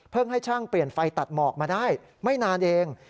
ให้ช่างเปลี่ยนไฟตัดหมอกมาได้ไม่นานเอง